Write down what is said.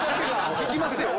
聞きますよ。